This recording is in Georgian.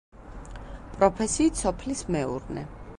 პროფესიით სოფლის მეურნე.